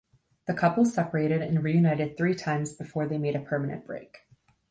The couple separated and reunited three times before they made a permanent break.